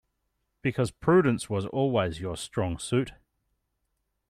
Because prudence was always your strong suit.